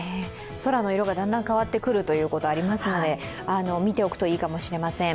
空の色がだんだん変わってくるということがありますので、見ておくといいかもしれません。